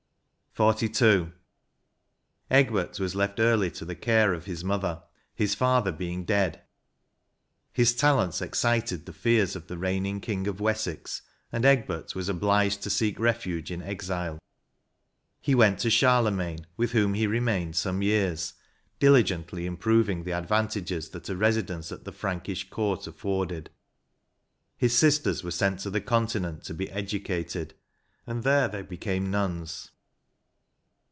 G 2 84 XLH Egbert was left early to the care of his mother, his father being dead. His talents excited the fears of the reigning King of Wessex, and Egbert was obliged to seek refuge in exile : he went to Charle magne, with whom he remained some years, diU gently improying the advantages that a residence at the Frankish Court afforded. His sisters were sent to the Continent to be educated, and there they became nuns.